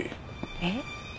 えっ？